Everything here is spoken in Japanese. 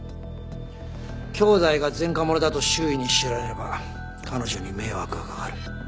兄妹が前科者だと周囲に知られれば彼女に迷惑がかかる。